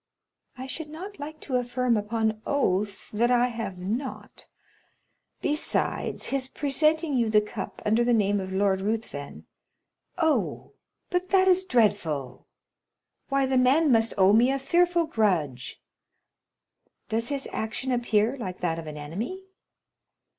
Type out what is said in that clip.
"I should not like to affirm upon oath that I have not. Besides, his presenting you the cup under the name of Lord Ruthven——" "Oh, but that is dreadful! Why, the man must owe me a fearful grudge." "Does his action appear like that of an enemy?"